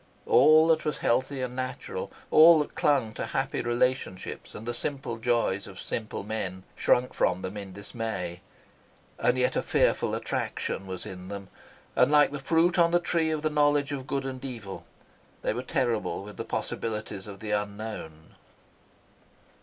All that was healthy and natural, all that clung to happy relationships and the simple joys of simple men, shrunk from them in dismay; and yet a fearful attraction was in them, and, like the fruit on the Tree of the Knowledge of Good and Evil they were terrible with the possibilities of the Unknown.